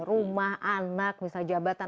rumah anak misalnya jabatan